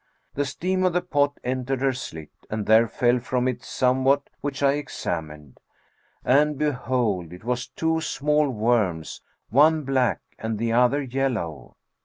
The steam of the pot entered her slit and there fell from it somewhat which I examined; and behold, it was two small worms, one black and the other yellow.